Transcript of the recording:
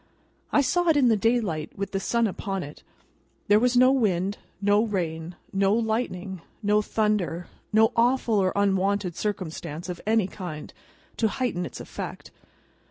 I saw it in the daylight, with the sun upon it. There was no wind, no rain, no lightning, no thunder, no awful or unwonted circumstance, of any kind, to heighten its effect.